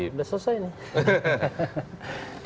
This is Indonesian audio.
sudah selesai ini